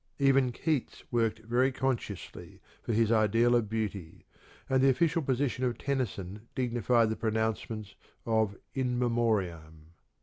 Even Keats worked very con sciously for his ideal of Beauty, and the official position of Tennyson dignified the pronouncements of " In Memoriam."